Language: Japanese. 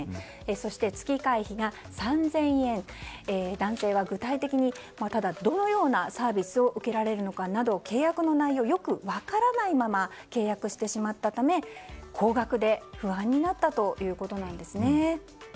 そして、月会費が３０００円男性は具体的にただ、どのようなサービスを受けられるのかなど契約の内容をよく分からないまま契約してしまったため高額で不安になったということなんです。